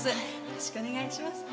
よろしくお願いします。